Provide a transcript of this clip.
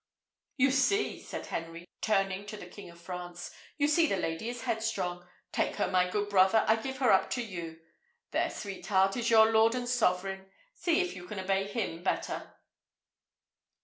"You see," said Henry, turning to the King of France; "you see the lady is headstrong! Take her, my good brother; I give her up to you. There, sweetheart, is your lord and sovereign; see if you can obey him better."